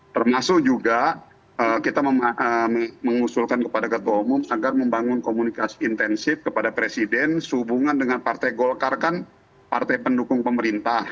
termasuk juga kita mengusulkan kepada ketua umum agar membangun komunikasi intensif kepada presiden sehubungan dengan partai golkar kan partai pendukung pemerintah